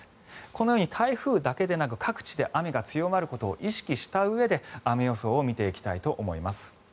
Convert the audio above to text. このように台風だけでなく各地で雨が強まることを意識したうえで雨予想を見ていきたいと思います。